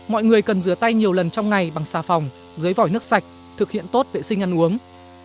mọi người cần rửa tay nhiều lần trong ngày bằng xà phòng dưới vỏ nước sạch thực hiện tốt vệ sinh ăn uống